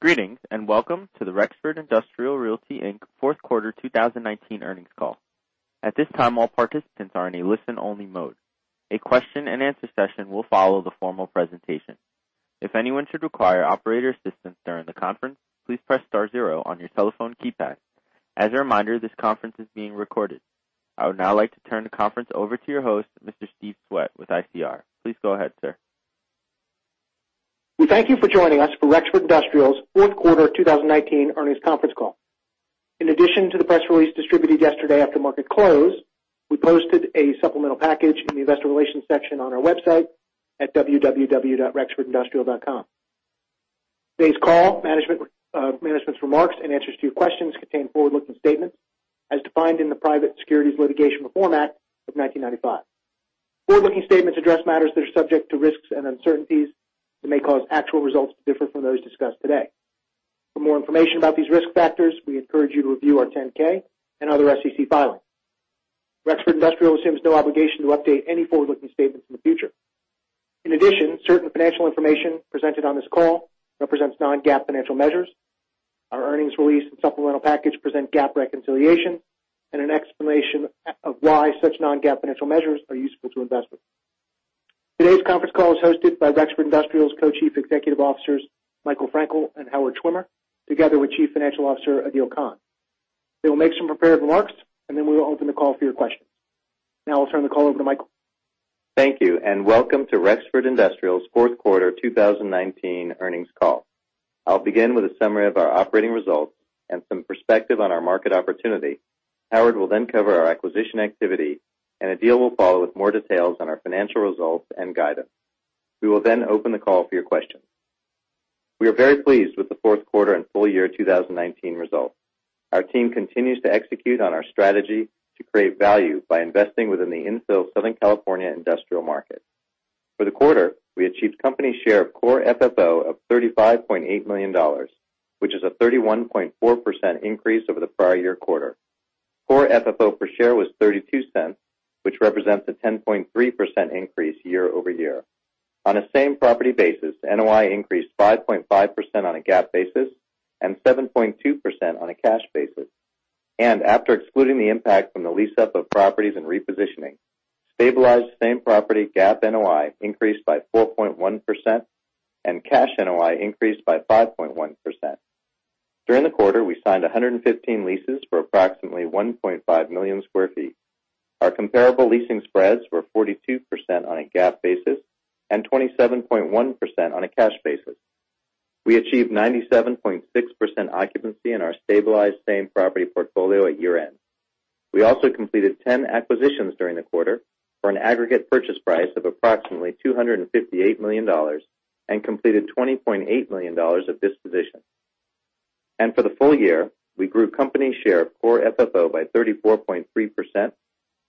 Greetings, and welcome to Rexford Industrial Realty, Inc. Fourth Quarter 2019 Earnings Call. At this time, all participants are in a listen-only mode. A question and answer session will follow the formal presentation. If anyone should require operator assistance during the conference, please press star zero on your telephone keypad. As a reminder, this conference is being recorded. I would now like to turn the conference over to your host, Mr. Stephen Swett with ICR. Please go ahead, sir. We thank you for joining us for Rexford Industrial's fourth quarter 2019 earnings conference call. In addition to the press release distributed yesterday after market close, we posted a supplemental package in the investor relations section on our website at www.rexfordindustrial.com. Today's call, management's remarks, and answers to your questions contain forward-looking statements as defined in the Private Securities Litigation Reform Act of 1995. Forward-looking statements address matters that are subject to risks and uncertainties that may cause actual results to differ from those discussed today. For more information about these risk factors, we encourage you to review our 10-K and other SEC filings. Rexford Industrial assumes no obligation to update any forward-looking statements in the future. In addition, certain financial information presented on this call represents non-GAAP financial measures. Our earnings release and supplemental package present GAAP reconciliation and an explanation of why such non-GAAP financial measures are useful to investors. Today's conference call is hosted by Rexford Industrial's Co-Chief Executive Officers, Michael Frankel and Howard Schwimmer, together with Chief Financial Officer, Adeel Khan. They will make some prepared remarks, then we will open the call for your questions. Now I'll turn the call over to Michael. Thank you. Welcome to Rexford Industrial's fourth quarter 2019 earnings call. I'll begin with a summary of our operating results and some perspective on our market opportunity. Howard will then cover our acquisition activity. Adeel will follow with more details on our financial results and guidance. We will then open the call for your questions. We are very pleased with the fourth quarter and full year 2019 results. Our team continues to execute on our strategy to create value by investing within the infill Southern California industrial market. For the quarter, we achieved a company share of core FFO of $35.8 million, which is a 31.4% increase over the prior year quarter. Core FFO per share was $0.32, which represents a 10.3% increase year-over-year. On a same-property basis, NOI increased 5.5% on a GAAP basis and 7.2% on a cash basis. After excluding the impact from the lease-up of properties and repositioning, stabilized same-property GAAP NOI increased by 4.1% and cash NOI increased by 5.1%. During the quarter, we signed 115 leases for approximately 1.5 million sq ft. Our comparable leasing spreads were 42% on a GAAP basis and 27.1% on a cash basis. We achieved 97.6% occupancy in our stabilized same-property portfolio at year-end. We also completed 10 acquisitions during the quarter for an aggregate purchase price of approximately $258 million and completed $20.8 million of dispositions. For the full year, we grew the company share of core FFO by 34.3%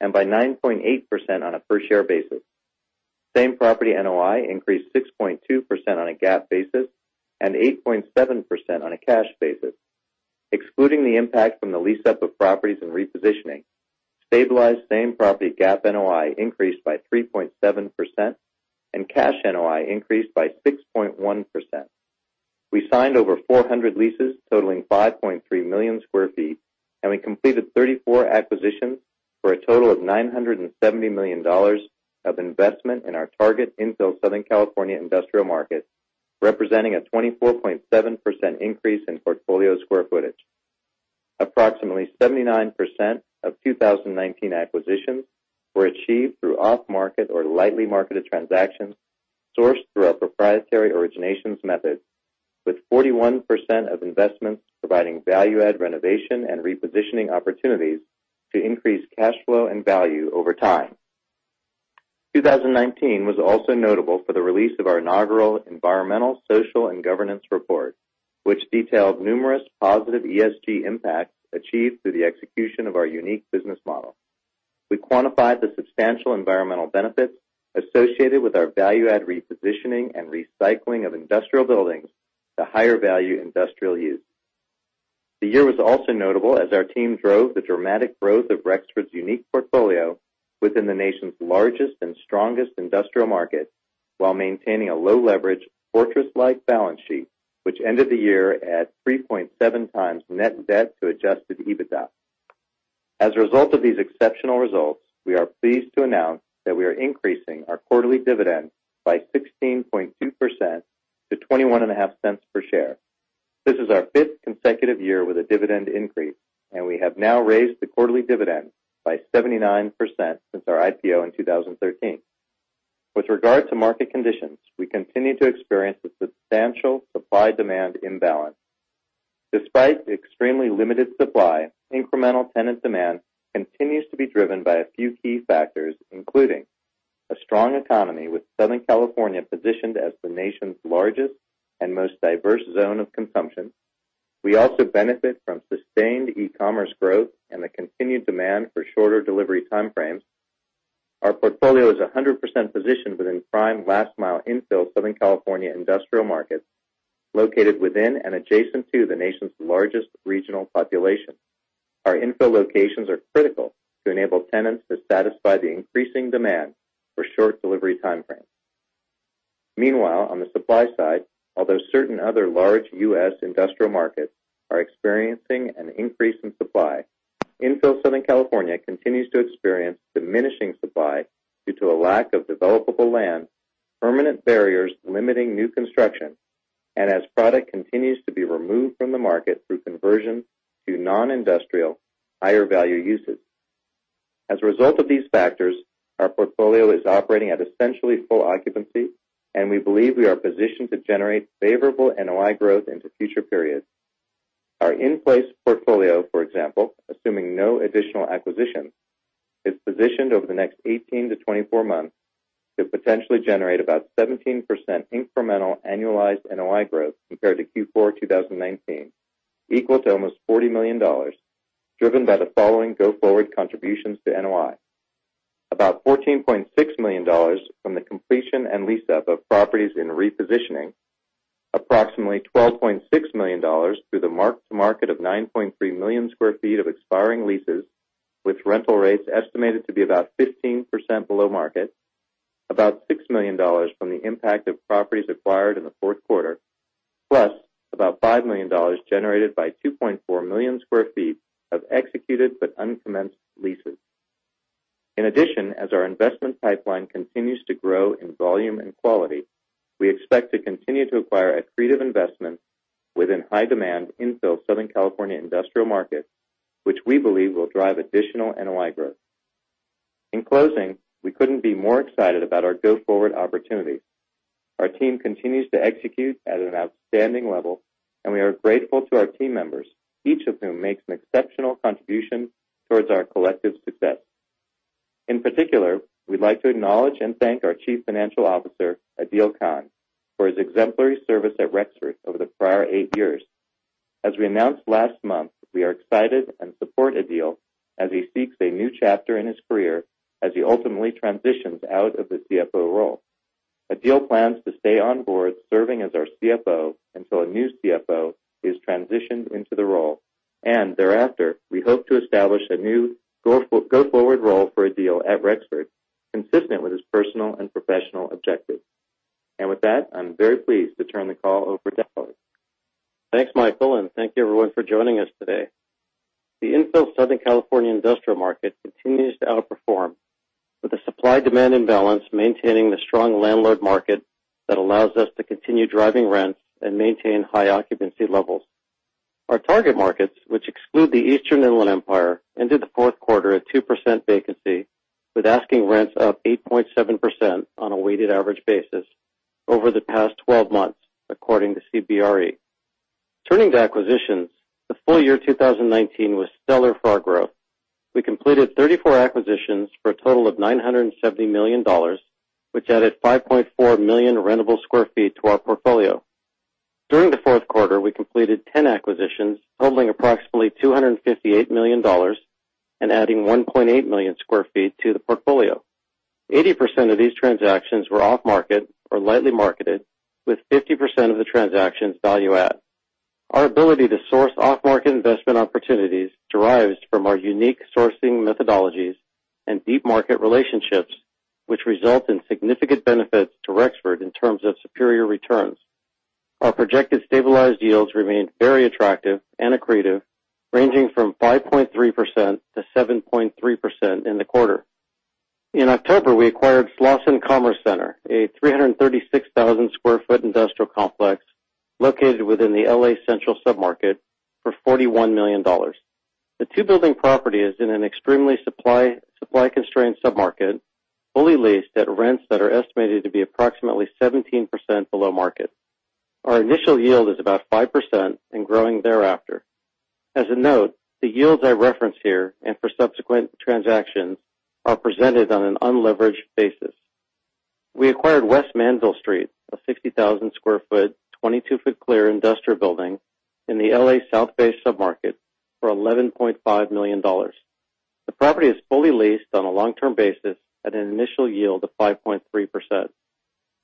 and by 9.8% on a per share basis. Same-property NOI increased 6.2% on a GAAP basis and 8.7% on a cash basis. Excluding the impact from the lease-up of properties and repositioning, stabilized same-property GAAP NOI increased by 3.7%, and cash NOI increased by 6.1%. We signed over 400 leases totaling 5.3 million sq ft, and we completed 34 acquisitions for a total of $970 million of investment in our target infill Southern California industrial market, representing a 24.7% increase in portfolio square footage. Approximately 79% of 2019 acquisitions were achieved through off-market or lightly marketed transactions sourced through our proprietary origination method, with 41% of investments providing value-add renovation and repositioning opportunities to increase cash flow and value over time. 2019 was also notable for the release of our inaugural environmental, social, and governance report, which detailed numerous positive ESG impacts achieved through the execution of our unique business model. We quantified the substantial environmental benefits associated with our value-added repositioning and recycling of industrial buildings to higher-value industrial use. The year was also notable as our team drove the dramatic growth of Rexford's unique portfolio within the nation's largest and strongest industrial market while maintaining a low-leverage, fortress-like balance sheet, which ended the year at 3.7x net debt to adjusted EBITDA. As a result of these exceptional results, we are pleased to announce that we are increasing our quarterly dividend by 16.2% to $0.215 per share. This is our fifth consecutive year with a dividend increase, and we have now raised the quarterly dividend by 79% since our IPO in 2013. With regard to market conditions, we continue to experience a substantial supply-demand imbalance. Despite extremely limited supply, incremental tenant demand continues to be driven by a few key factors, including a strong economy with Southern California positioned as the nation's largest and most diverse zone of consumption. We also benefit from sustained e-commerce growth and the continued demand for shorter delivery time frames. Our portfolio is 100% positioned within prime last-mile infill Southern California industrial markets located within and adjacent to the nation's largest regional population. Our infill locations are critical to enable tenants to satisfy the increasing demand for short delivery time frames. Meanwhile, on the supply side, although certain other large U.S. industrial markets are experiencing an increase in supply, infill Southern California continues to experience diminishing supply due to a lack of developable land, permanent barriers limiting new construction, and the fact that product continues to be removed from the market through conversion to non-industrial, higher-value uses. As a result of these factors, our portfolio is operating at essentially full occupancy, and we believe we are positioned to generate favorable NOI growth into future periods. Our in-place portfolio, for example, assuming no additional acquisition, is positioned over the next 18-24 months to potentially generate about 17% incremental annualized NOI growth compared to Q4 2019, equal to almost $40 million, driven by the following go-forward contributions to NOI. About $14.6 million from the completion and lease-up of properties in repositioning and approximately $12.6 million through the mark-to-market of 9.3 million sq ft of expiring leases, with rental rates estimated to be about 15% below market. About $6 million from the impact of properties acquired in the fourth quarter, plus about $5 million generated by 2.4 million square feet of executed but uncommenced leases. In addition, as our investment pipeline continues to grow in volume and quality, we expect to continue to acquire accretive investments within high-demand infill Southern California industrial markets, which we believe will drive additional NOI growth. In closing, we couldn't be more excited about our go-forward opportunities. Our team continues to execute at an outstanding level, and we are grateful to our team members, each of whom makes an exceptional contribution towards our collective success. In particular, we'd like to acknowledge and thank our Chief Financial Officer, Adeel Khan, for his exemplary service at Rexford over the prior eight years. As we announced last month, we are excited and support Adeel as he seeks a new chapter in his career as he ultimately transitions out of the CFO role. Adeel plans to stay on board serving as our CFO until a new CFO is transitioned into the role, and thereafter, we hope to establish a new go-forward role for Adeel at Rexford, consistent with his personal and professional objectives. With that, I'm very pleased to turn the call over to Howard. Thanks, Michael. Thank you, everyone, for joining us today. The infill Southern California industrial market continues to outperform with the supply-demand imbalance maintaining the strong landlord market that allows us to continue driving rents and maintain high occupancy levels. Our target markets, which exclude the Eastern Inland Empire, ended the fourth quarter at 2% vacancy, with asking rents up 8.7% on a weighted average basis over the past 12 months, according to CBRE. Turning to acquisitions, the full year 2019 was stellar for our growth. We completed 34 acquisitions for a total of $970 million, which added 5.4 million rentable square feet to our portfolio. During the fourth quarter, we completed 10 acquisitions totaling approximately $258 million and adding 1.8 million sq ft to the portfolio. 80% of these transactions were off-market or lightly marketed, with 50% of the transactions being value-add. Our ability to source off-market investment opportunities derives from our unique sourcing methodologies and deep market relationships, which result in significant benefits to Rexford in terms of superior returns. Our projected stabilized yields remained very attractive and accretive, ranging from 5.3%-7.3% in the quarter. In October, we acquired Slauson Commerce Center, a 336,000sq ft industrial complex located within the L.A. Central submarket for $41 million. The two-building property is in an extremely supply-constrained sub-market, fully leased at rents that are estimated to be approximately 17% below market. Our initial yield is about 5% and growing thereafter. As a note, the yields I reference here and for subsequent transactions are presented on an unleveraged basis. We acquired West Mandeville Street, a 60,000sq ft, 22-foot clear industrial building in the L.A. South Bay submarket for $11.5 million. The property is fully leased on a long-term basis at an initial yield of 5.3%.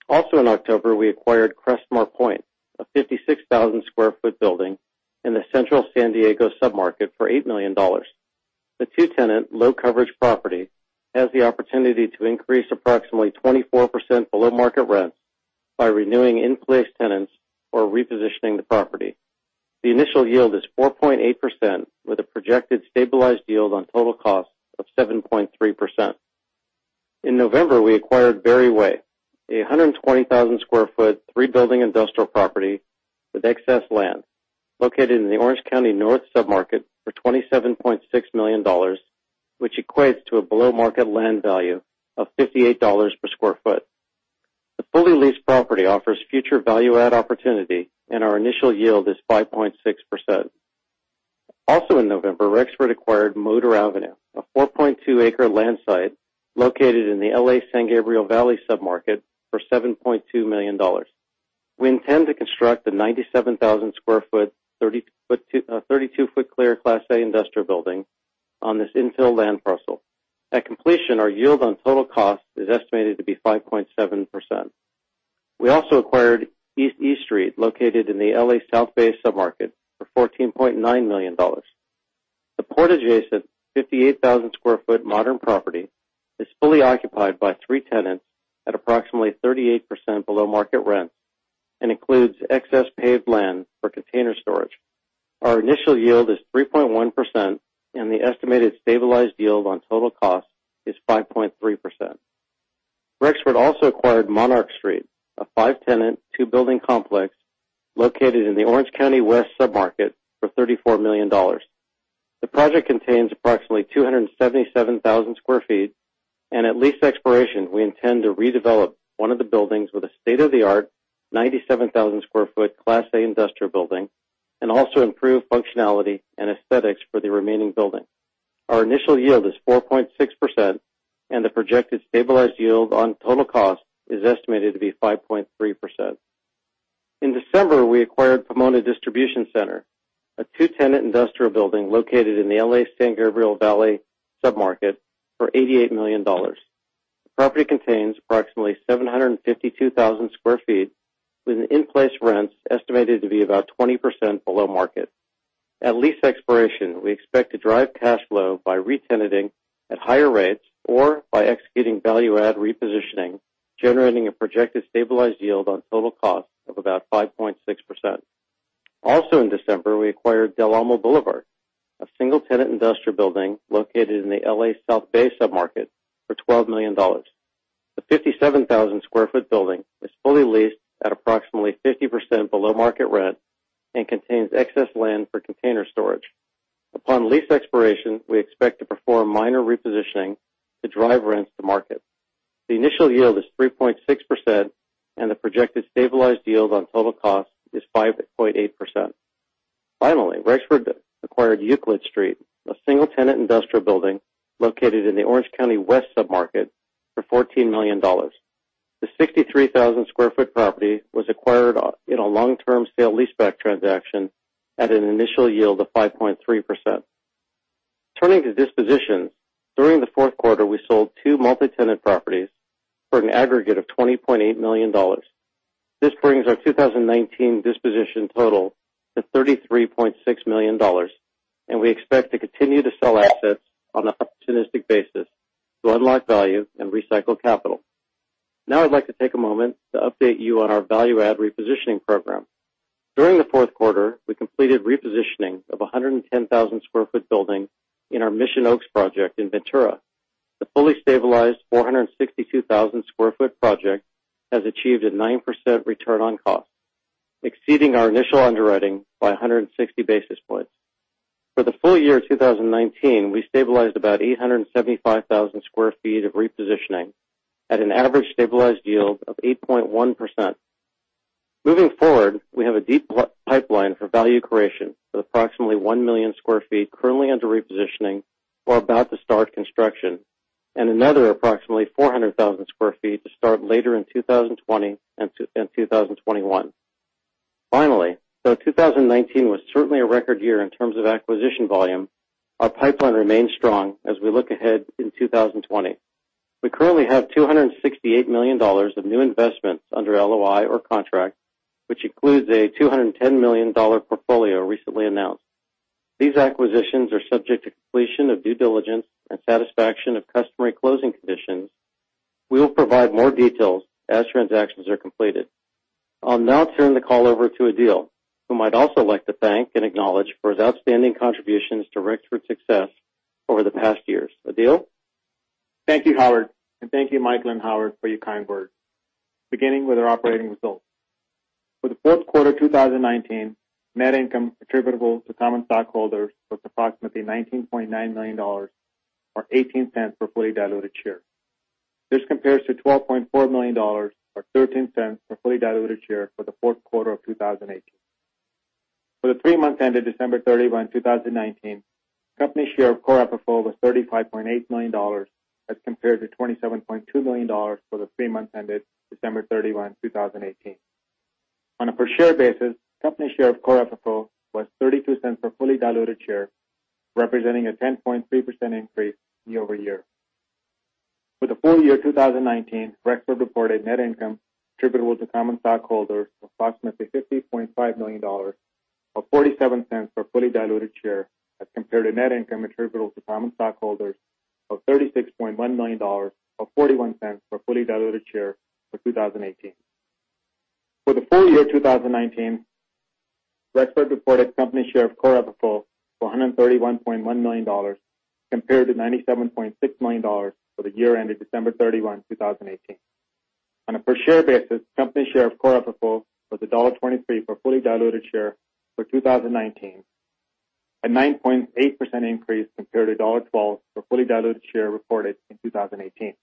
Also in October, we acquired Crestmore Point, a 56,000sq ft building in the central San Diego submarket for $8 million. The two-tenant low-coverage property has the opportunity to increase approximately 24% below market rents by renewing in-place tenants or repositioning the property. The initial yield is 4.8% with a projected stabilized yield on total cost of 7.3%. In November, we acquired Berry Way, a 120,000sq ft, three-building industrial property with excess land located in the Orange County North submarket for $27.6 million, which equates to a below-market land value of $58 per square foot. The fully leased property offers future value-add opportunities, and our initial yield is 5.6%. Also in November, Rexford acquired Motor Avenue, a 4.2 acre land site located in the L.A. San Gabriel Valley sub-market for $7.2 million. We intend to construct a 97,000sq ft, 32-foot clear Class A industrial building on this infill land parcel. At completion, our yield on total cost is estimated to be 5.7%. We also acquired East E Street, located in the L.A. South Bay submarket, for $14.9 million. The port-adjacent 58,000sq ft modern property is fully occupied by three tenants at approximately 38% below market rent and includes excess paved land for container storage. Our initial yield is 3.1%. The estimated stabilized yield on total cost is 5.3%. Rexford also acquired Monarch Street, a five-tenant, two-building complex located in the Orange County West sub-market for $34 million. The project contains approximately 277,000sq ft. At lease expiration, we intend to redevelop one of the buildings into a state-of-the-art 97,000sq ft Class A industrial building and also improve functionality and aesthetics for the remaining building. Our initial yield is 4.6%, and the projected stabilized yield on total cost is estimated to be 5.3%. In December, we acquired the Pomona Distribution Center, a two-tenant industrial building located in the L.A. San Gabriel Valley submarket for $88 million. The property contains approximately 752,000sq ft with an in-place rent estimated to be about 20% below market. At lease expiration, we expect to drive cash flow by re-tenanting at higher rates or by executing value-add repositioning, generating a projected stabilized yield on total cost of about 5.6%. Also in December, we acquired Del Amo Boulevard, a single-tenant industrial building located in the L.A. South Bay submarket for $12 million. The 57,000sq ft building is fully leased at approximately 50% below market rent and contains excess land for container storage. Upon lease expiration, we expect to perform minor repositioning to drive rents to market. The initial yield is 3.6%, and the projected stabilized yield on total cost is 5.8%. Finally, Rexford acquired Euclid Street, a single-tenant industrial building located in the Orange County West sub-market for $14 million. The 63,000sq ft property was acquired in a long-term sale-leaseback transaction at an initial yield of 5.3%. Turning to dispositions, during the fourth quarter, we sold two multi-tenant properties for an aggregate of $20.8 million. This brings our 2019 disposition total to $33.6 million. We expect to continue to sell assets on an opportunistic basis to unlock value and recycle capital. Now I'd like to take a moment to update you on our value-add repositioning program. During the fourth quarter, we completed the repositioning of a 110,00sq ft building in our Mission Oaks project in Ventura. The fully stabilized 462,000sq ft project has achieved a 9% return on cost, exceeding our initial underwriting by 160 basis points. For the full year 2019, we stabilized about 875,000sq ft of repositioning at an average stabilized yield of 8.1%. Moving forward, we have a deep pipeline for value creation with approximately 1 million sq ft currently under repositioning or about to start construction and another approximately 400,000sq ft to start later in 2020 and 2021. Finally, though 2019 was certainly a record year in terms of acquisition volume, our pipeline remains strong as we look ahead in 2020. We currently have $268 million of new investments under LOI or contract, which includes a $210 million portfolio recently announced. These acquisitions are subject to completion of due diligence and satisfaction of customary closing conditions. We will provide more details as transactions are completed. I'll now turn the call over to Adeel, whom I'd also like to thank and acknowledge for his outstanding contributions to Rexford's success over the past years. Adeel? Thank you, Howard, and thank you, Michael and Howard, for your kind words. Beginning with our operating results. For the fourth quarter 2019, net income attributable to common stockholders was approximately $19.9 million or $0.18 per fully diluted share. This compares to $12.4 million or $0.13 per fully diluted share for the fourth quarter of 2018. For the three months ended December 31, 2019, the company share of core FFO was $35.8 million as compared to $27.2 million for the three months ended December 31, 2018. On a per share basis, the company's share of core FFO was $0.32 per fully diluted share, representing a 10.3% increase year-over-year. For the full year 2019, Rexford Industrial Realty reported net income attributable to common stockholders of approximately $50.5 million or $0.47 per fully diluted share as compared to net income attributable to common stockholders of $36.1 million or $0.41 per fully diluted share for 2018. For the full year 2019, Rexford Industrial Realty reported a company share of core FFO of $131.1 million compared to $97.6 million for the year ended December 31, 2018. On a per share basis, the company's share of core FFO was $1.23 per fully diluted share for 2019, a 9.8% increase compared to $1.12 per fully diluted share reported in 2018.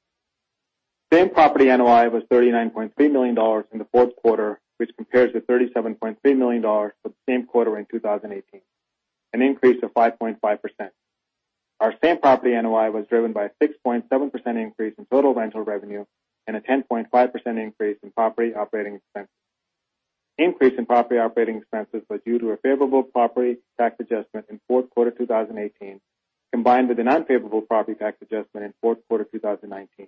Same property NOI was $39.3 million in the fourth quarter, which compares to $37.3 million for the same quarter in 2018, an increase of 5.5%. Our same property NOI was driven by a 6.7% increase in total rental revenue and a 10.5% increase in property operating expense. Increase in property operating expenses was due to a favorable property tax adjustment in the fourth quarter of 2018, combined with an unfavorable property tax adjustment in the fourth quarter of 2019.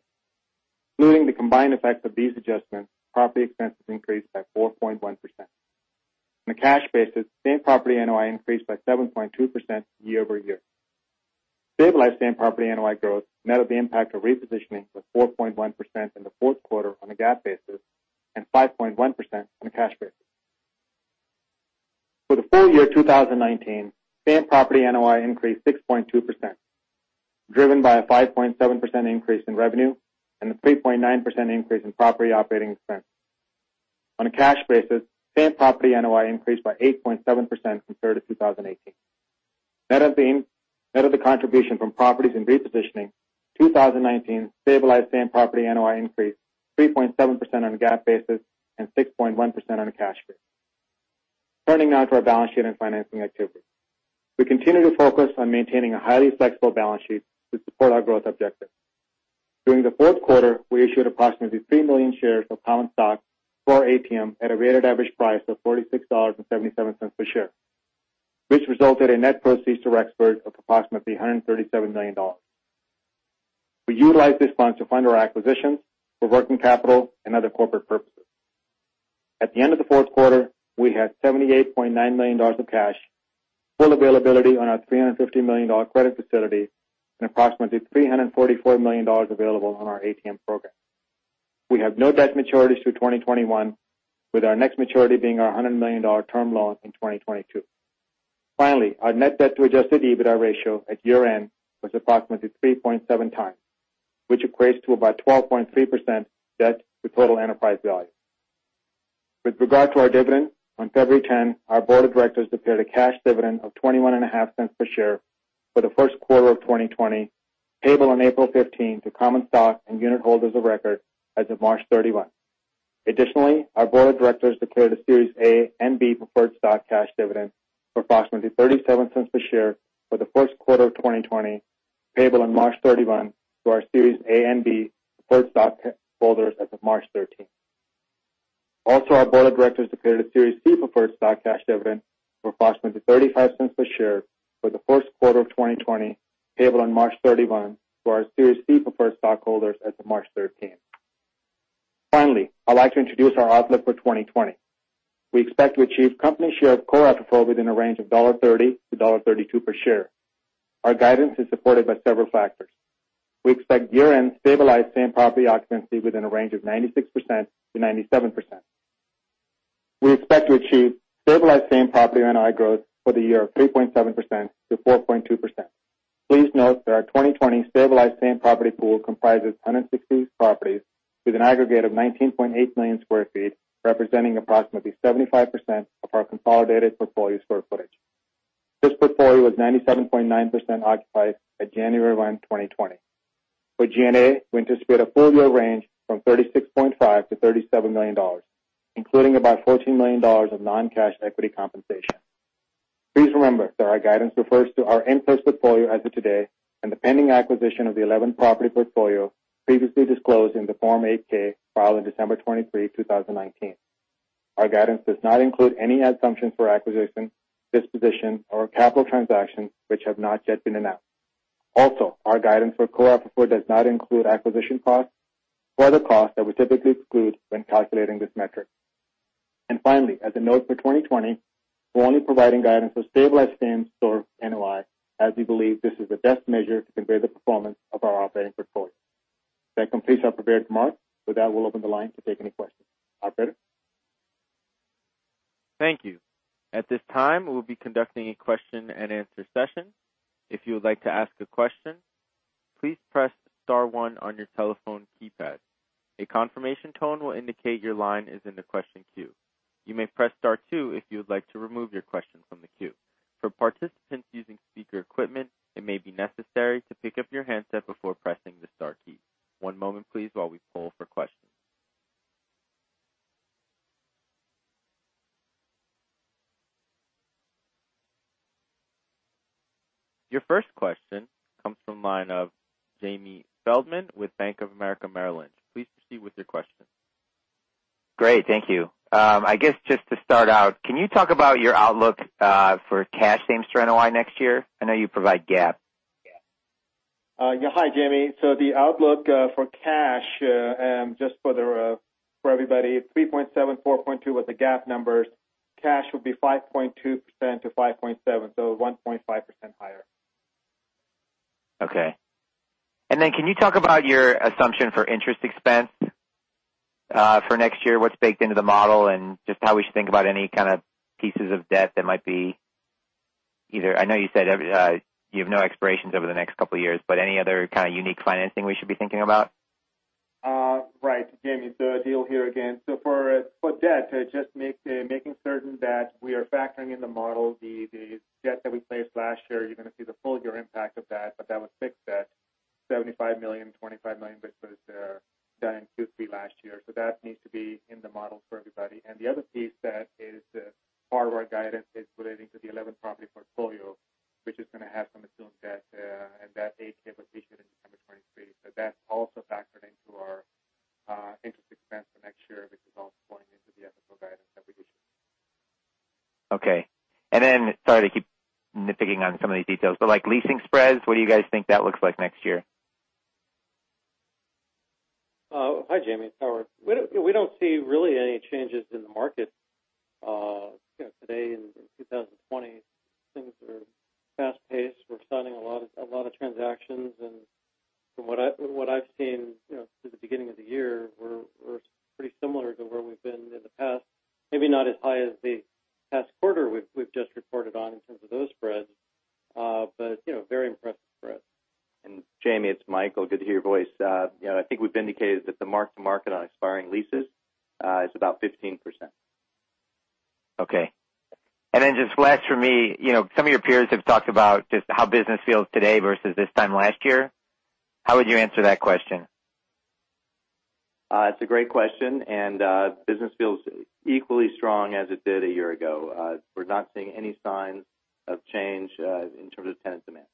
Including the combined effect of these adjustments, property expenses increased by 4.1%. On a cash basis, the same property's NOI increased by 7.2% year-over-year. Stabilized same property NOI growth, net of the impact of repositioning, was 4.1% in the fourth quarter on a GAAP basis and 5.1% on a cash basis. For the full year 2019, the same property NOI increased 6.2%, driven by a 5.7% increase in revenue and a 3.9% increase in property operating expense. On a cash basis, the same property's NOI increased by 8.7% compared to 2018. Net of the contribution from properties and repositioning, 2019 stabilized same-property NOI increased 3.7% on a GAAP basis and 6.1% on a cash basis. Turning now to our balance sheet and financing activity. We continue to focus on maintaining a highly flexible balance sheet to support our growth objectives. During the fourth quarter, we issued approximately three million shares of common stock for ATM at a weighted average price of $46.77 per share. Which resulted in net proceeds to Rexford of approximately $337 million. We utilized this fund to fund our acquisitions for working capital and other corporate purposes. At the end of the fourth quarter, we had $78.9 million of cash, full availability on our $350 million credit facility, and approximately $344 million available on our ATM program. We have no debt maturities through 2021, with our next maturity being our $100 million term loan in 2022. Finally, our net debt to adjusted EBITDA ratio at year-end was approximately 3.7x, which equates to about 12.3% debt to total enterprise value. With regard to our dividend, on February 10, our board of directors declared a cash dividend of $0.215 per share for the first quarter of 2020, payable on April 15 to common stock and unit holders of record as of March 31. Additionally, our board of directors declared a Series A and B preferred stock cash dividend of approximately $0.37 per share for the first quarter of 2020, payable on March 31 to our Series A and B preferred stockholders as of March 13. Also, our board of directors declared a Series C preferred stock cash dividend of approximately $0.35 per share for the first quarter of 2020, payable on March 31 to our Series C preferred stockholders as of March 13. Finally, I'd like to introduce our outlook for 2020. We expect to achieve a company share of core FFO within a range of $1.30-$1.32 per share. Our guidance is supported by several factors. We expect year-end stabilized same-property occupancy within a range of 96%-97%. We expect to achieve stabilized same-property NOI growth for the year of 3.7%-4.2%. Please note that our 2020 stabilized same-property pool comprises 160 properties with an aggregate of 19.8 million sq ft, representing approximately 75% of our consolidated portfolio square foot. This portfolio was 97.9% occupied on January 1, 2020. For G&A, we anticipate a full-year range from $36.5-$37 million, including about $14 million of non-cash equity compensation. Please remember that our guidance refers to our in-force portfolio as of today and the pending acquisition of the 11-property portfolio previously disclosed in the Form 8-K filed on December 23, 2019. Our guidance does not include any assumptions for acquisition, disposition, or capital transactions that have not yet been announced. Our guidance for core FFO does not include acquisition costs or other costs that we typically exclude when calculating this metric. Finally, as a note for 2020, we're only providing guidance for stabilized same-store NOI as we believe this is the best measure to convey the performance of our operating portfolio. That completes our prepared remarks. With that, we'll open the line to take any questions. Operator? Thank you. At this time, we'll be conducting a question-and-answer session. If you would like to ask a question, please press star one on your telephone keypad. A confirmation tone will indicate your line is in the question queue. You may press star two if you would like to remove your question from the queue. For participants using speaker equipment, it may be necessary to pick up your handset before pressing the star key. One moment, please, while we poll for questions. Your first question comes from the line of Jamie Feldman with Bank of America Merrill Lynch. Please proceed with your question. Great. Thank you. I guess just to start out, can you talk about your outlook for cash same-store NOI next year? I know you provide GAAP. Yeah. Hi, Jamie. The outlook for cash, just for everybody, 3.7, 4.2 with the GAAP numbers. Cash would be 5.2%-5.7%, so 1.5% higher. Okay. Can you talk about your assumption for interest expense for next year? What's baked into the model, and just how should we think about any kind of pieces of debt that might be? I know you said you have no expirations over the next couple of years, but any other kind of unique financing should we be thinking about? Right. Jamie, it's Adeel here again. For debt, just making certain that we are factoring in the model the debt that we placed last year. You're going to see the full-year impact of that, but that was fixed debt, $75 million and $25 million, which was done in Q3 last year. That needs to be in the model for everybody. The other piece that is part of our guidance is relating to the 11-property portfolio Which is going to have some assumed debt, and that 8-K was issued in December 2019. That's also factored into our interest expense for next year, which is also going into the FFO guidance that we issued. Okay. Sorry to keep nitpicking on some of these details, but leasing spreads—what do you guys think that looks like next year? Hi, Jamie. It's Howard. We don't see really any changes in the market. Today, in 2020, things are fast-paced. We're signing a lot of transactions. From what I've seen through the beginning of the year, we're pretty similar to where we've been in the past. Maybe not as high as the past quarter we've just reported on in terms of those spreads. Very impressive spreads. Jamie, it's Michael. Good to hear your voice. I think we've indicated that the mark-to-market on expiring leases is about 15%. Okay. Just last month for me, some of your peers have talked about just how business feels today versus this time last year. How would you answer that question? It's a great question, and business feels equally strong as it did a year ago. We're not seeing any signs of change in terms of tenant demand.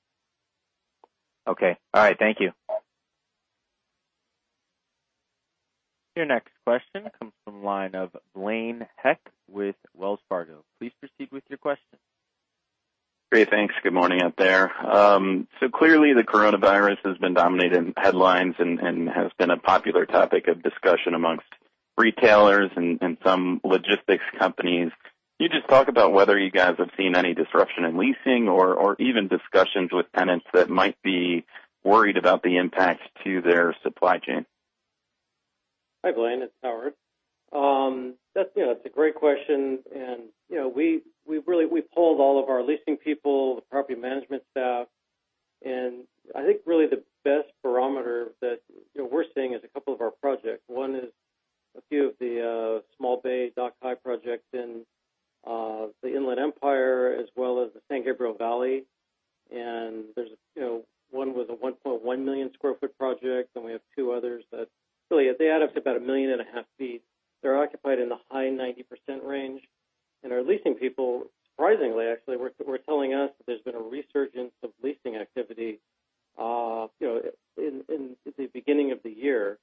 Okay. All right, thank you. Your next question comes from the line of Blaine Heck with Wells Fargo. Please proceed with your question. Great. Thanks. Good morning out there. Clearly the coronavirus has been dominating headlines and has been a popular topic of discussion amongst retailers and some logistics companies. Can you just talk about whether you guys have seen any disruption in leasing or even discussions with tenants that might be worried about the impact to their supply chain? Hi, Blaine, it's Howard. That's a great question, and we polled all of our leasing people and the property management staff, and I think really the best barometer that we're seeing is a couple of our projects. One is a few of the small bay dock-high projects in the Inland Empire as well as the San Gabriel Valley. There's one with a 1.1 million sq ft project, and we have two others that really do add up to about 1.5 million feet. They're occupied in the high 90% range. Our leasing people, surprisingly, actually, were telling us that there's been a resurgence of leasing activity at the beginning of the year.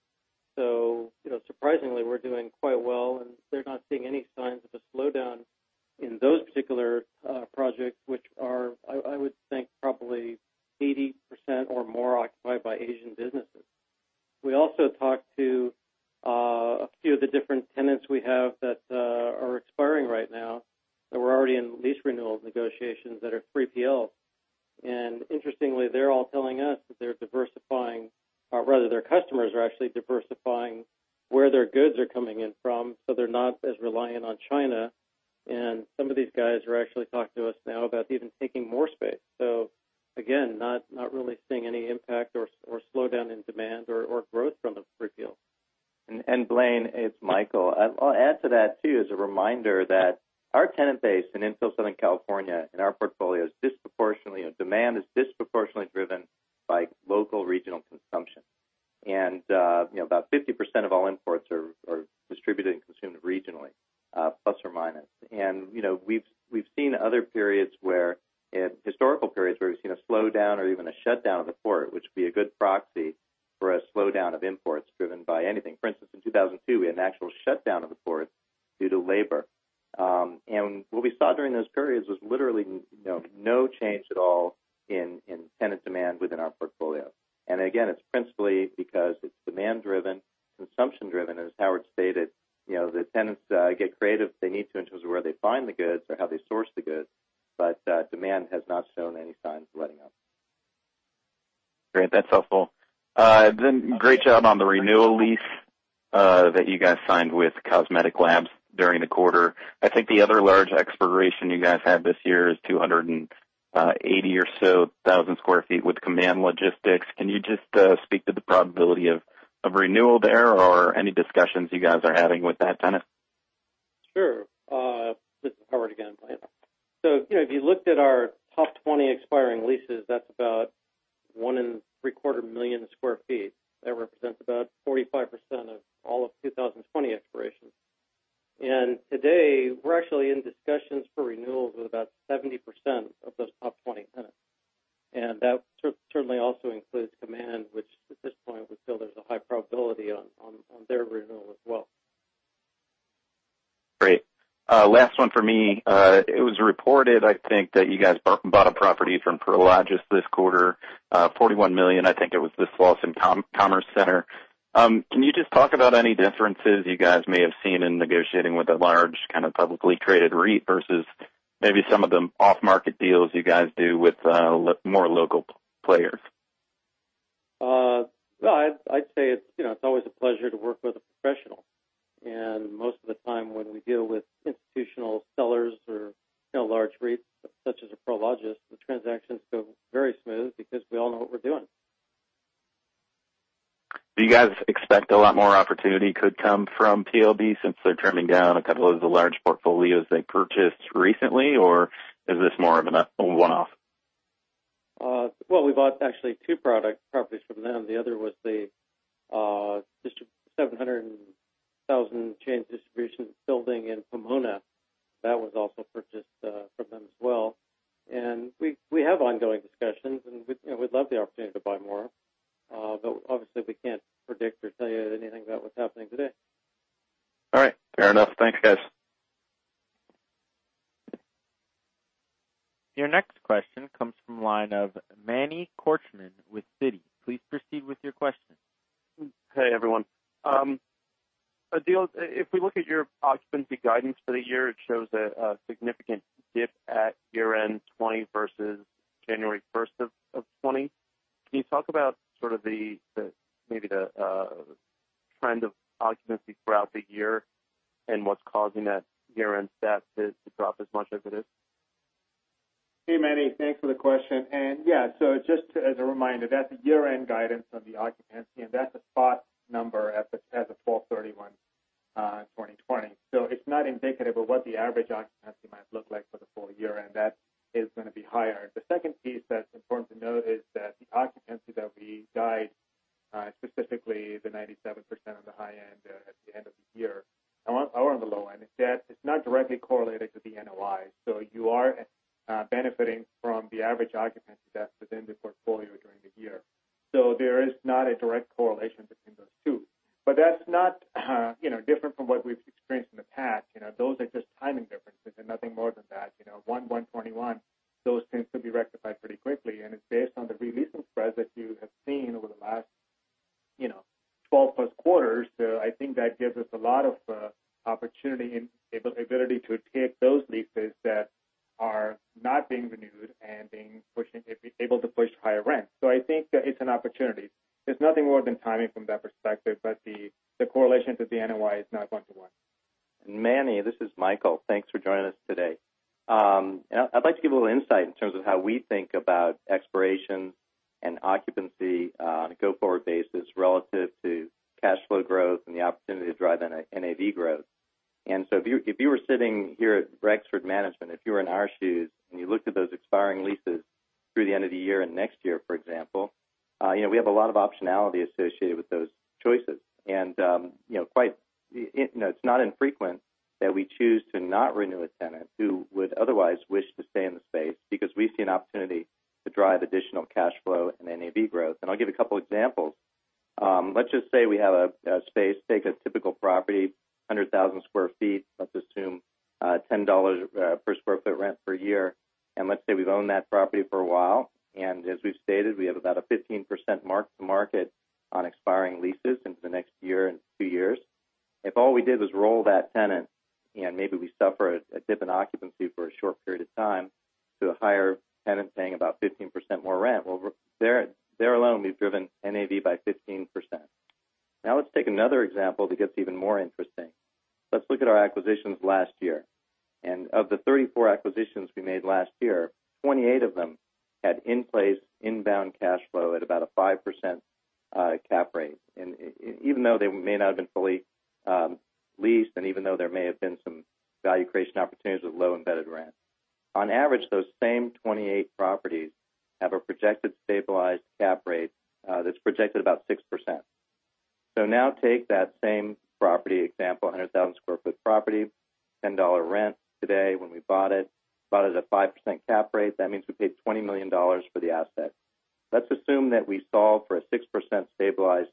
Surprisingly, we're doing quite well, and they're not seeing any signs of a slowdown in those particular projects, which are probably 80% or more occupied by Asian businesses. We also talked to a few of the different tenants we have that are expiring right now that were already in lease renewal negotiations that are 3PL. Interestingly, they're all telling us that they're diversifying, or rather, their customers are actually diversifying where their goods are coming in from, so they're not as reliant on China. Some of these guys are actually talking to us now about even taking more space. Again, not really seeing any impact or slowdown in demand or growth from the 3PL. Blaine, it's Michael. I'll add to that, too, as a reminder that our tenant base in infill Southern California in our portfolio is disproportionately driven Sure. This is Howard again, Blaine. If you looked at our top 20 expiring leases, that's about one and three-quarter million square feet. That represents about 45% of all of 2020 expirations. Today, we're actually in discussions for renewals with about 70% of those top 20 tenants. That certainly also includes Command, for which at this point we feel there's a high probability of their renewal as well. Great. Last one for me. It was reported, I think, that you guys bought a property from Prologis this quarter for $41 million. I think it was this Slauson Commerce Center. Can you just talk about any differences you guys may have seen in negotiating with a large kind of publicly traded REIT versus maybe some of the off-market deals you guys do with more local players? I'd say it's always a pleasure to work with a professional. Most of the time when we deal with institutional sellers or large REITs such as Prologis, the transactions go very smoothly because we all know what we're doing. Do you guys expect a lot more opportunity could come from PLD since they're trimming down a couple of the large portfolios they purchased recently, or is this more of a one-off? Well, we actually bought two properties from them. The other was the 700,000 chain distribution building in Pomona. That was also purchased from them as well. We have ongoing discussions, and we'd love the opportunity to buy more. Obviously we can't predict or tell you anything about what's happening today. All right. Fair enough. Thanks, guys. Your next question comes from the line of Manny Korchman with Citi. Please proceed with your question. Hey, everyone. Adeel, if we look at your occupancy guidance for the year, it shows a significant dip at year-end 2020 versus January 1st, 2020. Can you talk about maybe the trend of occupancy throughout the year and what's causing that year-end stat to drop as much as it is? Hey, Manny. Thanks for the question. Yeah, just as a reminder, that's the year-end guidance on the occupancy, and that's a spot number as of [inaudible] 31, 2020. It's not indicative of what the average occupancy might look like for the full year, and that is going to be higher. The second piece that's important to note is that the occupancy that we guide, specifically the 97% on the high end at the end of the year or on the low end, is not directly correlated to the NOI. You are benefiting from the average occupancy that's within the portfolio during the year. There is not a direct correlation between those two. That's not different from what we've experienced in the past. Those are just timing differences and nothing more than that. 1st January 2021, those tend to be rectified pretty quickly, and it's based on the releasable spreads that you have seen over the last +12 quarters. I think that gives us a lot of opportunity and ability to take those leases that are not being renewed and be able to push higher rents. I think it's an opportunity. It's nothing more than timing from that perspective, but the correlation to the NOI is not one to one. Manny, this is Michael. Thanks for joining us today. I'd like to give a little insight in terms of how we think about expiration and occupancy on a go-forward basis relative to cash flow growth and the opportunity to drive NAV growth. So if you were sitting here at Rexford Management, if you were in our shoes and you looked at those expiring leases through the end of the year and next year, for example, we have a lot of optionality associated with those choices. It's not infrequent that we choose to not renew a tenant who would otherwise wish to stay in the space because we see an opportunity to drive additional cash flow and NAV growth. I'll give a couple examples. Let's just say we have a space, a typical property of 100,000sq ft. Let's assume $10 per square foot rent per year. Let's say we've owned that property for a while. As we've stated, we have about a 15% mark-to-market on expiring leases into the next year and two years. If all we did was roll that tenant, and maybe we suffered a dip in occupancy for a short period of time to a higher tenant paying about 15% more rent, well, there alone, we've driven NAV by 15%. Now let's take another example that gets even more interesting. Let's look at our acquisitions last year. Of the 34 acquisitions we made last year, 28 of them had in-place inbound cash flow at about a 5% cap rate. Even though they may not have been fully leased and even though there may have been some value creation opportunities with low embedded rent. On average, those same 28 properties have a projected stabilized cap rate that's projected to be about 6%. Now take that same property example, a 100,000sq ft property, for $10 rent today when we bought it. Bought it at 5% cap rate. That means we paid $20 million for the asset. Let's assume that we solve for a 6% stabilized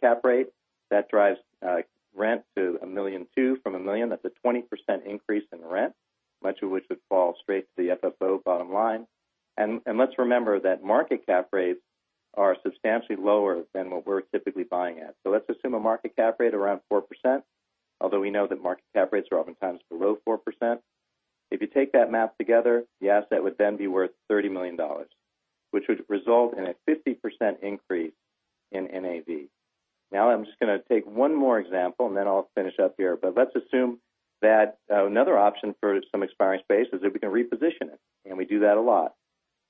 cap rate. That drives rent to $1.2 million from $1 million. That's a 20% increase in rent, much of which would fall straight to the FFO bottom line. Let's remember that market cap rates are substantially lower than what we're typically buying at. Let's assume a market cap rate around 4%, although we know that market cap rates are oftentimes below 4%. If you take that math together, the asset would then be worth $30 million, which would result in a 50% increase in NAV. I'm just going to take one more example, and then I'll finish up here. Let's assume that another option for some expiring space is if we can reposition it, and we do that a lot.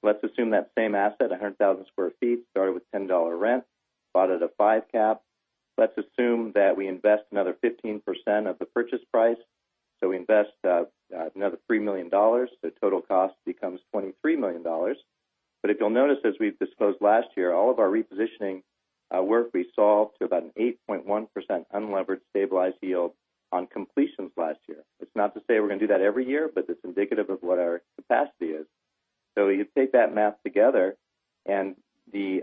Let's assume that same asset, 100,000sq ft, started with $10 rent and was bought at a five cap. Let's assume that we invest another 15% of the purchase price, so we invest another $3 million. The total cost becomes $23 million. If you'll notice, as we disclosed last year, all of our repositioning work we saw to about an 8.1% unlevered stabilized yield on completions last year. It's not to say we're going to do that every year, but it's indicative of what our capacity is. You take that math together, and the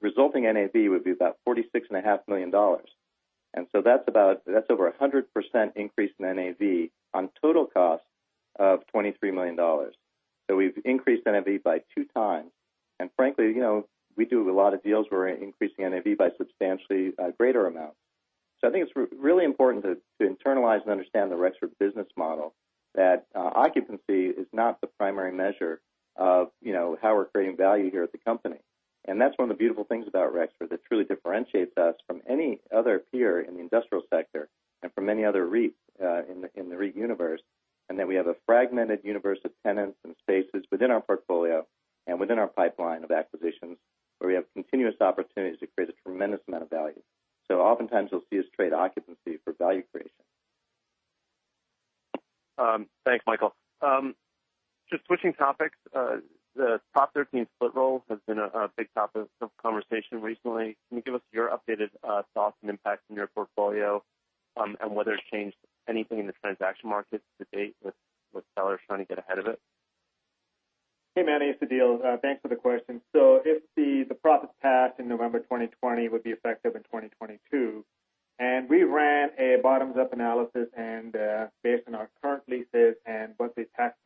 resulting NAV would be about $46.5 million. That's over a 100% increase in NAV on a total cost of $23 million. We've increased NAV by two times. Frankly, we do a lot of deals where we're increasing NAV by substantially greater amounts. I think it's really important to internalize and understand the Rexford business model, that occupancy is not the primary measure of how we're creating value here at the company. That's one of the beautiful things about Rexford that truly differentiates us from any other peer in the industrial sector and from any other REIT in the REIT universe. We have a fragmented universe of tenants and spaces within our portfolio and within our pipeline of acquisitions, where we have continuous opportunities to create a tremendous amount of value. Oftentimes you'll see us trade occupancy for value creation. Thanks, Michael. Just switching topics. The Proposition 13 split roll has been a big topic of conversation recently. Can you give us your updated thoughts and impacts in your portfolio and whether it's changed anything in the transaction market to date with sellers trying to get ahead of it? Hey, Manny, it's Adeel. Thanks for the question. If the Proposition passed in November 2020 and would be effective in 2022, and we ran a bottom-up analysis based on our current leases and what the tax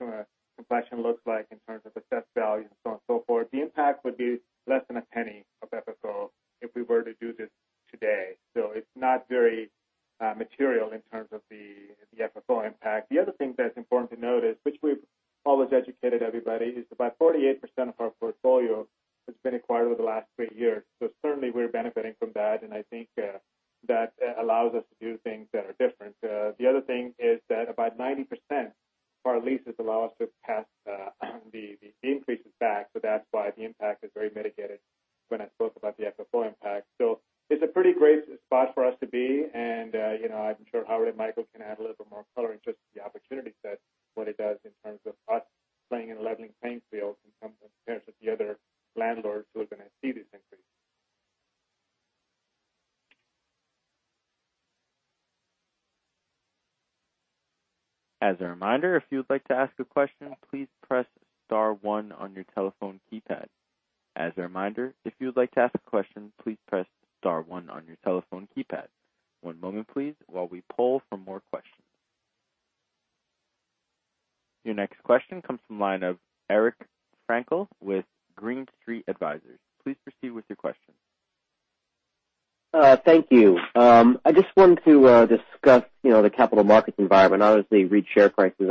complexion looks like in terms of assessed value and so on and so forth, the impact would be less than $0.01 of FFO if we were to do this today. It's not very material in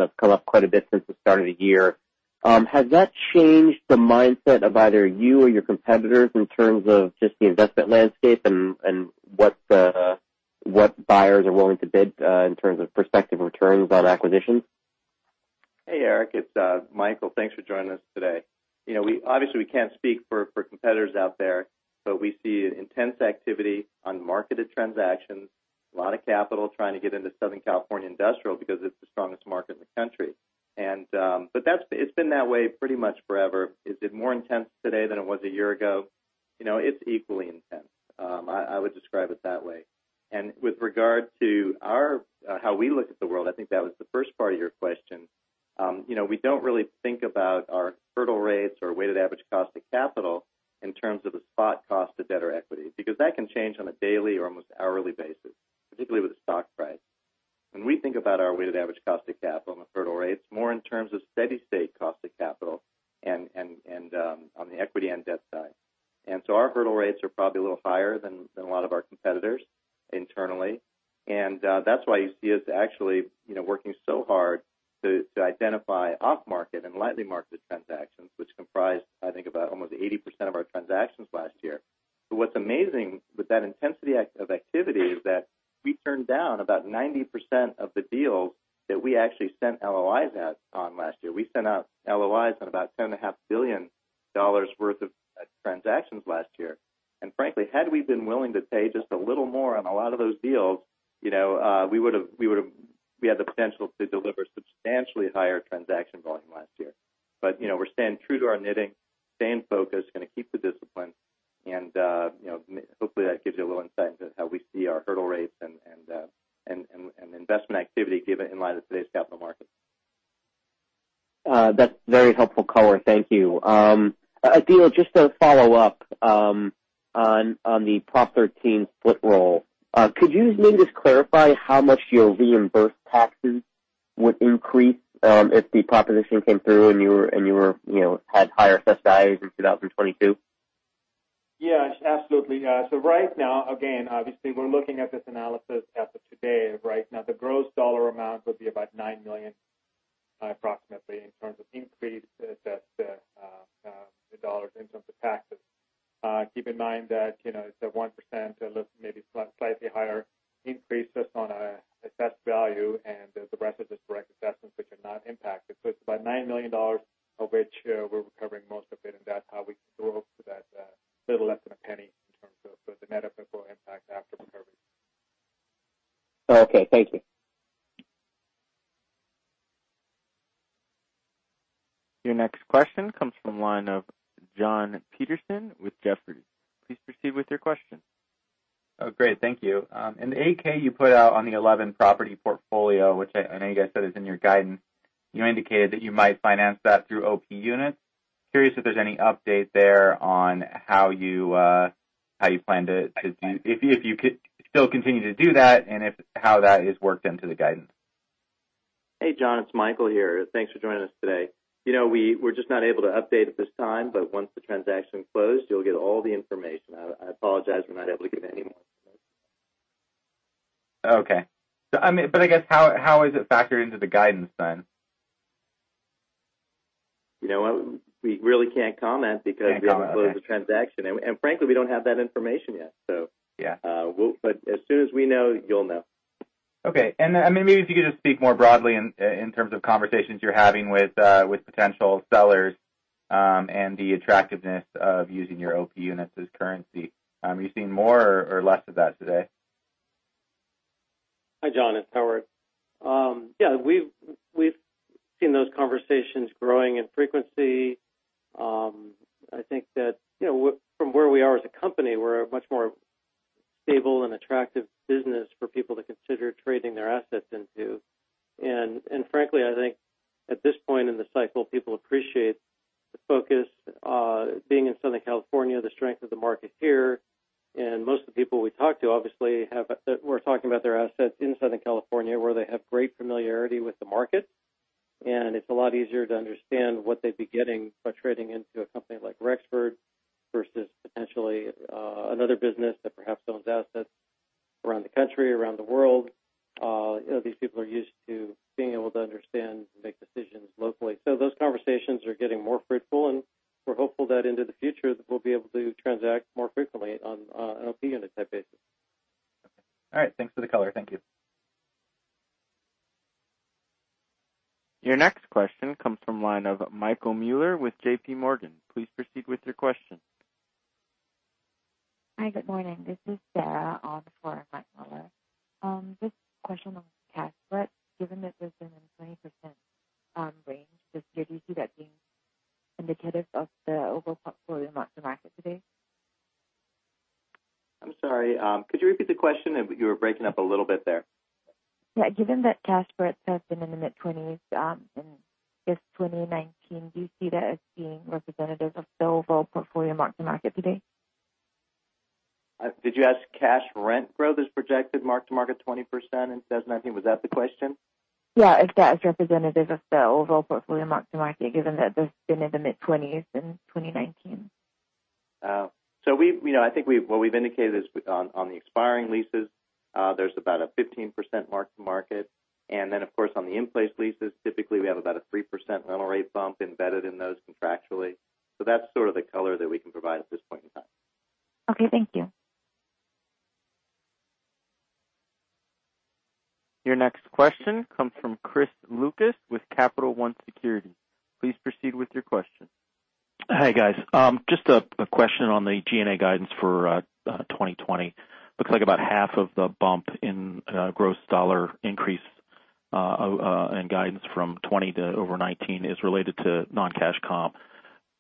have come up quite a bit since the start of the year. Has that changed the mindset of either you or your competitors in terms of just the investment landscape and what buyers are willing to bid in terms of prospective returns on acquisitions? Hey, Eric, it's Michael. Thanks for joining us today. Obviously, we can't speak for competitors out there. We see intense activity on marketed transactions. A lot of capital is trying to get into Southern California industrial because it's the strongest market in the country. It's been that way pretty much forever. Is it more intense today than it was a year ago? It's equally intense. I would describe it that way. With regard to how we look at the world, I think that was the first part of your question. We don't really think about our hurdle rates or weighted average cost of capital in terms of the spot cost of debt or equity, because that can change on a daily or almost hourly basis, particularly with the stock price. When we think about our weighted average cost of capital and the hurdle rates, it's more in terms of steady-state cost of capital and on the equity and debt side. Our hurdle rates are probably a little higher than a lot of our competitors internally. That's why you see us actually working so hard to identify off-market and lightly marketed transactions, which comprised, I think, about almost 80% of our transactions last year. What's amazing with that intensity of activity is that we turned down about 90% of the deals that we actually sent LOIs for last year. We sent out LOIs on about $10.5 billion worth of transactions last year. Frankly, had we been willing to pay just a little more on a lot of those deals, we had the potential to deliver substantially higher transaction volume last year. We're staying true to our knitting, staying focused, and going to keep the discipline, and hopefully, that gives you a little insight into how we see our hurdle rates and investment activity given in light of today's capital markets. That's a very helpful color. Thank you. Adeel, just to follow up on the Proposition 13 split roll, could you maybe just clarify how much your reimbursed taxes would increase if the Proposition came through and you had higher assessed values in 2022? Yeah, absolutely. Right now, again, obviously, we're looking at this analysis as of today. Right now, the gross dollar amount would be about $9 million approximately in terms of increase in the dollars in terms of taxes. Keep in mind that it's a 1% or maybe slightly higher increase just on assessed value, and the rest are just direct assessments, which are not impacted. It's about $9 million, of which we're recovering most of it, and that's how we can go up to that little less than $0.01 in terms of the net FFO impact after recovery. Okay. Thank you. Your next question comes from the line of Jon Petersen with Jefferies. Please proceed with your question. Oh, great. Thank you. In the 8-K you put out on the 11 property portfolio, which I know you guys said is in your guidance, you indicated that you might finance that through OP units. Curious if there's any update there on how you plan to proceed, if you could still continue to do that, and how that is worked into the guidance. Hey, Jon, it's Michael here. Thanks for joining us today. We're just not able to update at this time, but once the transaction closes, you'll get all the information. I apologize we're not able to give any more information. Okay. I guess, how is it factored into the guidance then? You know what? We really can't comment because of it— Can't comment. Okay. ...we haven't closed the transaction, and frankly, we don't have that information yet. Yeah. As soon as we know, you'll know. Okay. Maybe if you could just speak more broadly in terms of conversations you're having with potential sellers and the attractiveness of using your OP units as currency. Are you seeing more or less of that today? Hi, Jon, it's Howard. Yeah, we've seen those conversations growing in frequency. I think that from where we are as a company, we're a much more stable and attractive business for people to consider trading their assets into. Frankly, I think at this point in the cycle, people appreciate the focus on being in Southern California and the strength of the market here. Most of the people we talk to, obviously, we're talking about their assets in Southern California, where they have great familiarity with the market, and it's a lot easier to understand what they'd be getting by trading into a company like Rexford versus potentially another business that perhaps owns assets around the country, around the world. These people are used to being able to understand and make decisions locally. Those conversations are getting more fruitful, and we're hopeful that in the future, we'll be able to transact more frequently on an OP unit type basis. Okay. All right. Thanks for the color. Thank you. Your next question comes from the line of Michael Mueller with JPMorgan. Please proceed with your question. Hi, good morning. This is Sarah on for Mike Mueller. Just a question on cash spread. Given that they've been in the 20% range this year, do you see that being indicative of the overall portfolio mark-to-market today? I'm sorry, could you repeat the question? You were breaking up a little bit there. Yeah. Given that cash spreads have been in the mid-20s in Q1 2019, do you see that as being representative of the overall portfolio mark-to-market today? Did you ask if cash rent growth is projected mark-to-market at 20% in 2019? Was that the question? Yeah. If that is representative of the overall portfolio mark-to-market, given that they've been in the mid-20s in 2019. I think what we've indicated is on the expiring leases, there's about a 15% mark-to-market, and then of course, on the in-place leases, typically we have about a 3% rental rate bump embedded in those contractually. That's sort of the color that we can provide at this point in time. Okay, thank you. Your next question comes from Chris Lucas with Capital One Securities. Please proceed with your question. Hi, guys. Just a question on the G&A guidance for 2020. Looks like about half of the bump in gross dollar increase in guidance from 2020 to over 2019 is related to non-cash comp.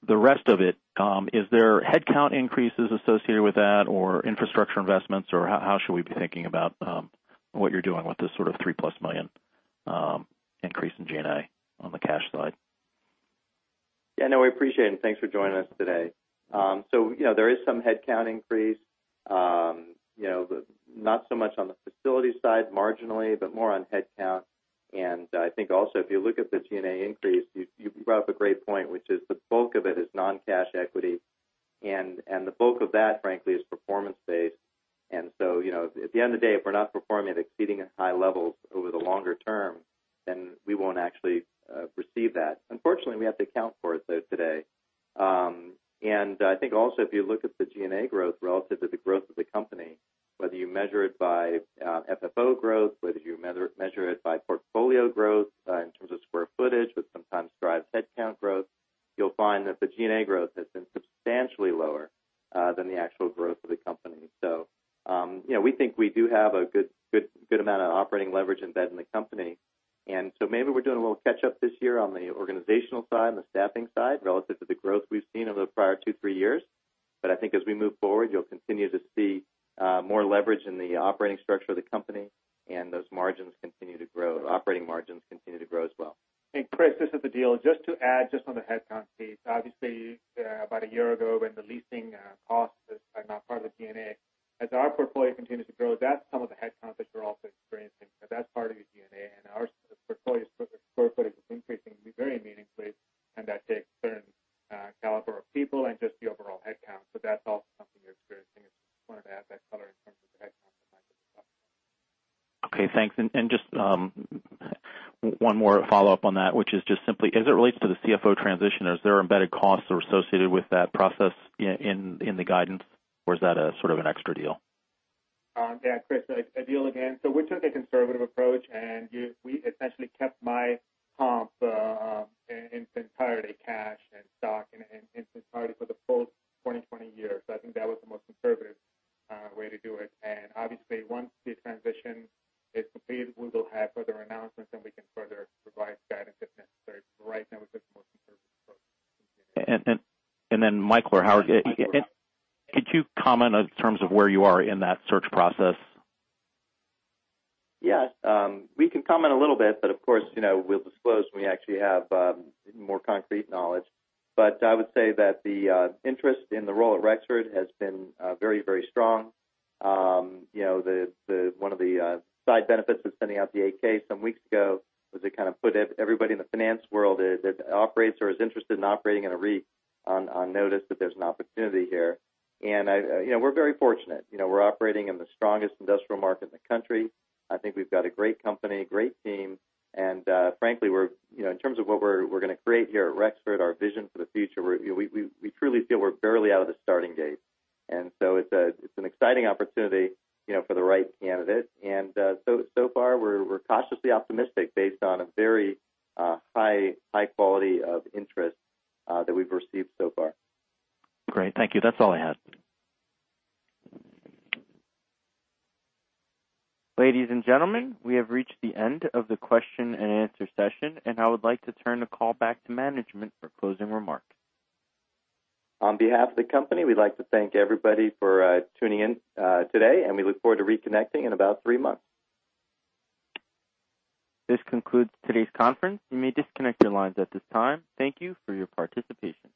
The rest of it, are there headcount increases associated with that or infrastructure investments, or how should we be thinking about what you're doing with this sort of $+3 million increase in G&A on the cash side? Yeah, no, we appreciate it. thanks for joining us today. There is some head count increase. Not so much on the facility side marginally, but more on headcount. I think also, if you look at the G&A increase, you brought up a great point, which is the bulk of it is non-cash equity, and the bulk of that, frankly, is performance-based. At the end of the day, if we're not performing at or exceeding high levels over the longer term, then we won't actually receive that. Unfortunately, we have to account for it today, though. I think also if you look at the G&A growth relative to the growth of the company, whether you measure it by FFO growth or whether you measure it by portfolio growth in terms of square footage, which sometimes drives headcount growth, you'll find that the G&A growth has been substantially lower than the actual growth of the company. We think we do have a good amount of operating leverage embedded in the company. Maybe we're doing a little catch-up this year on the organizational side and the staffing side relative to the growth we've seen over the prior two, three years. I think as we move forward, you'll continue to see more leverage in the operating structure of the company, and those margins will continue to grow. Operating margins continue to grow as well. Chris, this is Adeel. Just to add just on the comp in its entirety, cash and stock in their entirety, for the full 2020 year. I think that was the most conservative way to do it. Obviously, once the transition is completed, we will have further announcements, and we can further provide guidance if necessary. Right now, we took the most conservative approach. Mike or Howard. Could you comment in terms of where you are in that search process? Yes. We can comment a little bit, of course, we'll disclose when we actually have more concrete knowledge. I would say that the interest in the role at Rexford has been very strong. One of the side benefits of sending out the 8-K some weeks ago was it kind of put everybody in the finance world that operates or is interested in operating in a REIT on notice that there's an opportunity here. We're very fortunate. We're operating in the strongest industrial market in the country. I think we've got a great company and a great team. Frankly, in terms of what we're going to create here at Rexford, our vision for the future, we truly feel we're barely out of the starting gate. It's an exciting opportunity for the right candidate. So far, we're cautiously optimistic based on a very high quality of interest that we've received so far. Great. Thank you. That's all I had. Ladies and gentlemen, we have reached the end of the question-and-answer session, and I would like to turn the call back to management for closing remarks. On behalf of the company, we'd like to thank everybody for tuning in today, and we look forward to reconnecting in about three months. This concludes today's conference. You may disconnect your lines at this time. Thank you for your participation.